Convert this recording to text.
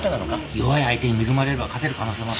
弱い相手に恵まれれば勝てる可能性もある。